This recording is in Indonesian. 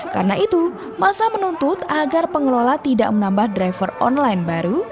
karena itu masa menuntut agar pengelola tidak menambah driver online baru